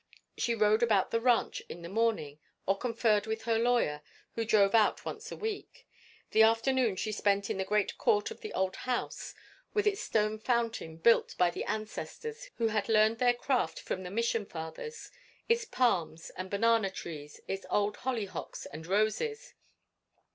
She rode about the ranch in the morning, or conferred with her lawyer, who drove out once a week; the afternoons she spent in the great court of the old house, with its stone fountain built by the ancestors who had learned their craft from the mission fathers, its palms and banana trees, its old hollyhocks and roses.